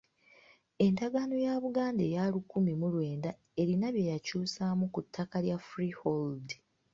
Endagaano ya Buganda eya lukumi mu lwenda erina bye yakyusaamu ku ttaka lya freehold.